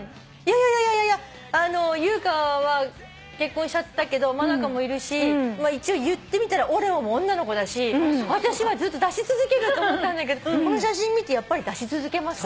いやいやいや優香は結婚しちゃったけど真香もいるし言ってみたらオレオも女の子だし私はずっと出し続けると思ったんだけどこの写真見てやっぱり出し続けます。